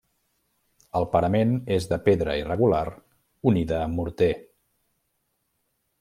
El parament és de pedra irregular unida amb morter.